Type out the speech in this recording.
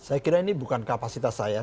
saya kira ini bukan kapasitas saya